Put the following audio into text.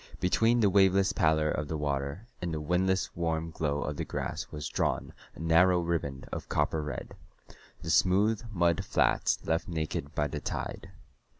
Between the waveless pallor of the water and the windless warm glow of the grass was drawn a narrow riband of copper red the smooth mud flats left naked by the tide.